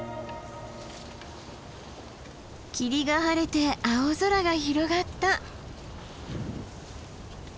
霧が晴れて青空が広がった。